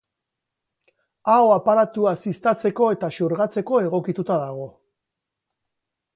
Aho-aparatua ziztatzeko eta xurgatzeko egokituta dago.